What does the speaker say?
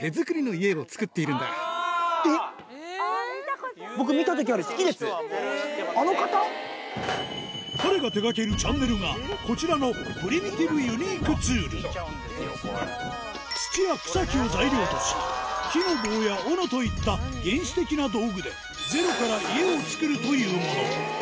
この方が彼が手がけるチャンネルがこちらの土や草木を材料とし木の棒やオノといった原始的な道具でゼロから家を作るというもの